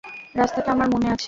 রাস্তাটা আমার মনে আছে!